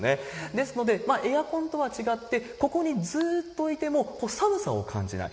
ですので、エアコンとは違って、ここにずーっといても寒さを感じない。